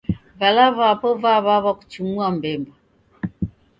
Vala vapo vaw'aw'a kuchumua mbemba